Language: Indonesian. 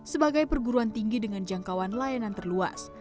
sebagai perguruan tinggi dengan jangkauan layanan terluas